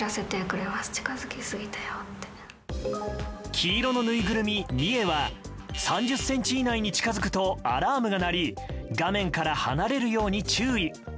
黄色のぬいぐるみミエは３０ｃｍ以内に近づくとアラームが鳴り画面から離れるように注意。